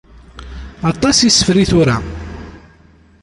Aṭas isefra i tura.